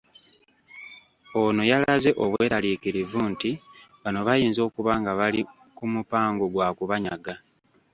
Ono yalaze obweraliikirivu nti bano bayinza okuba nga bali ku mupango gwa kubanyaga.